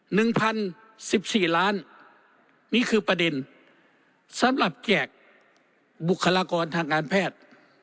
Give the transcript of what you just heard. หนึ่งพันสิบสี่ล้านนี่คือประเด็นสำหรับแจกบุคลากรทางการแพทย์